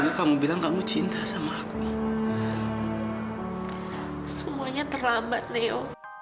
semuanya terlambat neo